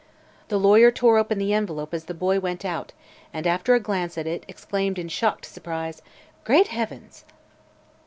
The lawyer tore open the envelope as the boy went out and after a glance at it exclaimed in shocked surprise: "Great heavens!"